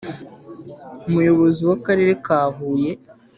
Umuyobozi w’Akarere ka Huye,